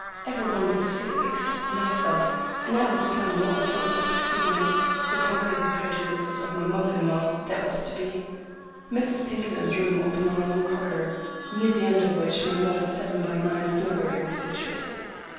Every one was asleep except myself, and I was planning all sorts of expedients to conquer the prejudices of my mother in law that was to be. Mrs. Pinkerton's room opened on a long corridor, near the end of which my modest seven by nine snuggery was situated.